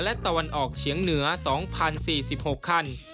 และตะวันออกเฉียงเหนือ๒๐๔๖คัน